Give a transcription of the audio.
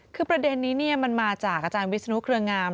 คือประเด็นนี้มันมาจากอาจารย์วิศนุเครืองาม